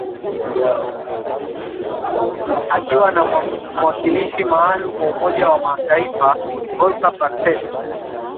akiwa na mwakilishi maalum wa Umoja wa mataifa , Volker Perthes